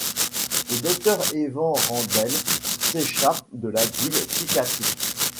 Le docteur Evan Rendell s'échappe de l'asile psychiatrique.